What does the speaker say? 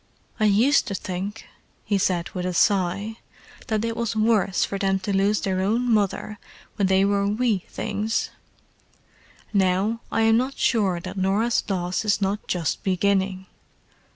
I used to think," he said with a sigh, "that it was worse for them to lose their own mother when they were wee things; now, I am not sure that Norah's loss is not just beginning.